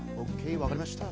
わかりました。